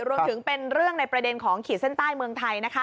เป็นเรื่องในประเด็นของขีดเส้นใต้เมืองไทย